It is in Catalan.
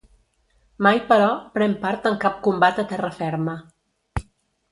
Mai, però, pren part en cap combat a terra ferma.